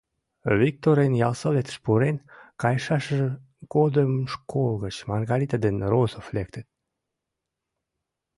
Викторын ялсоветыш пурен кайышашыж годым школ гыч Маргарита ден Розов лектыт.